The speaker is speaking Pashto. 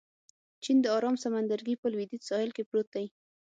چین د ارام سمندرګي په لوېدیځ ساحل کې پروت دی.